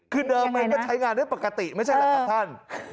คือเดิมมันก็ใช้งานได้ปกติไม่ใช่แหละครับท่าน